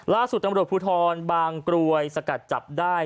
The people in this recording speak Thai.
ล่าสุดตำรวจภูทรบางกรวยสกัดจับได้